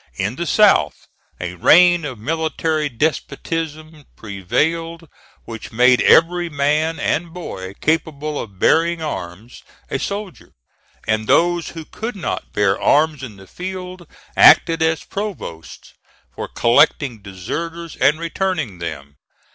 In the South, a reign of military despotism prevailed, which made every man and boy capable of bearing arms a soldier; and those who could not bear arms in the field acted as provosts for collecting deserters and returning them.